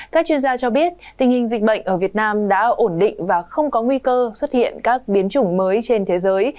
các chuyên gia cho biết tình hình dịch bệnh ở việt nam đã ổn định và không có nguy cơ xuất hiện các biến chủng mới trên thế giới